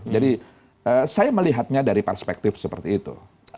jadi saya melihatnya dari perspektif seperti itu